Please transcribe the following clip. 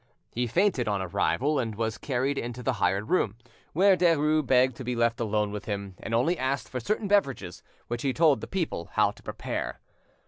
He fainted on arrival, and was carried into the hired room, where Derues begged to be left alone with him, and only asked for certain beverages which he told the people how to prepare.